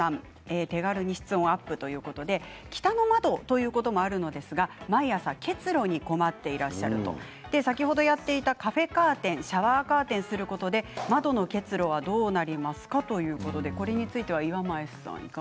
手軽に室温をアップということで北の窓ということもあるのですが毎朝、結露に困っていらっしゃるカフェカーテンシャワーカーテンをすることで窓の結露はどうなりますかということです。